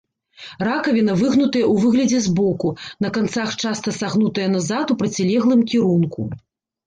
Ракавіна выгнутая ў выглядзе збоку, на канцах часта сагнутая назад у процілеглым кірунку.